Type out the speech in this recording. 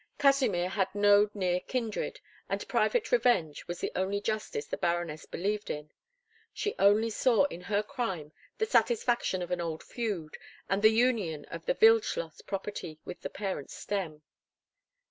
Kasimir had no near kindred, and private revenge was the only justice the Baroness believed in; she only saw in her crime the satisfaction of an old feud, and the union of the Wildschloss property with the parent stem.